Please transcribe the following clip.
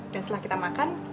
dan setelah kita makan